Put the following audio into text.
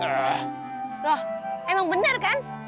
loh emang benar kan